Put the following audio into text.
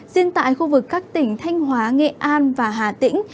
riêng tại khu vực các tỉnh thanh hóa nghệ an và hà tĩnh